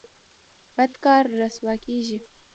بد کار رسوا کیږي